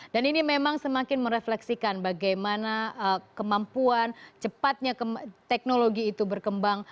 dan ini memang semakin merefleksikan bagaimana kemampuan cepatnya teknologi itu berkembang